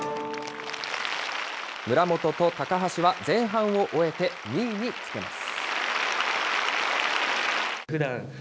村元と高橋は前半を終えて２位につけます。